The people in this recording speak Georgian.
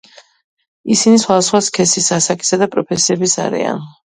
ისინი სხვადასხვა სქესის, ასაკისა და პროფესიების არიან.